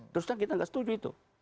terus terang kita nggak setuju itu